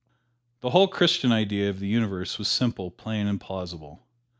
The whole Christian idea of the Universe was simple, plain and plausible.